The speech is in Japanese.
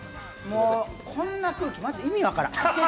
こんな空気、マジ、意味分からん。